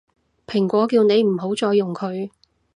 蘋果叫你唔好再用佢